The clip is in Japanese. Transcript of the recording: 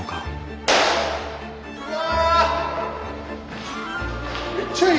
うわ！